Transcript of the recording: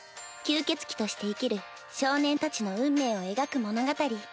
吸血鬼として生きる少年たちの運命を描く物語。